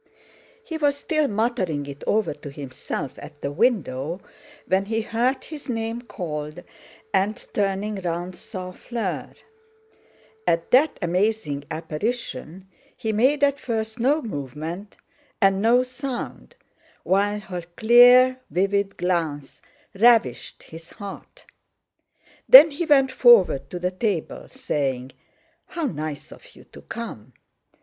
He was still muttering it over to himself at the window, when he heard his name called, and, turning round, saw Fleur. At that amazing apparition, he made at first no movement and no sound, while her clear vivid glance ravished his heart. Then he went forward to the table, saying, "How nice of you to come!"